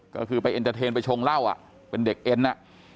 ก็คือไปเอ็นเตอร์เทนไปชงเหล้าอ่ะเป็นเด็กเอ็นอ่ะ